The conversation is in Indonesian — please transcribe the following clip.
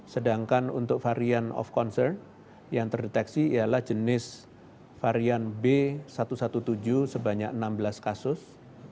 sedangkan untuk varian of concern yang terdeteksi ialah jenis varian b satu satu tujuh sebanyak enam belas kasus